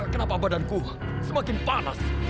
kenapa badanku semakin panas